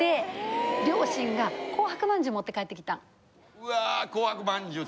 うわ紅白まんじゅうて。